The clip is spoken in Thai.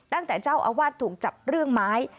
ตั้งแต่เจ้าอาวาสถูกจับเรื่องไม้